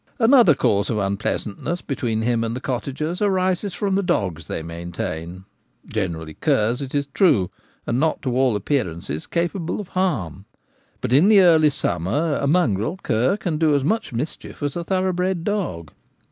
Another cause of unpleasantness between him and the cottagers arises from the dogs they maintain, generally curs, it is true, and not to all appearance capable of harm. But in the early summer a mongrel cur can do as much mischief as a thoroughbred dog.